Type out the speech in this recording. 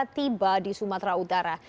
tiba di sumatera utara